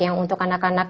yang untuk anak anak